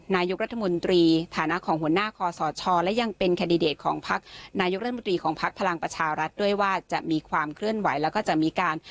นายกรัฐมนตรีฐานะของหัวหน้าคอสชและยังเป็นแคนดิเดตของพักนายกรัฐมนตรีของพักพลังประชารัฐด้วยว่าจะมีความเคลื่อนไหวแล้วก็จะมีการ